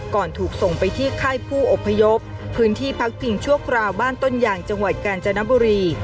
ถูกส่งไปที่ค่ายผู้อพยพพื้นที่พักพิงชั่วคราวบ้านต้นยางจังหวัดกาญจนบุรี